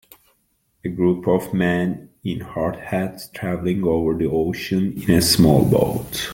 A group of men in hard hats traveling over the ocean in a small boat.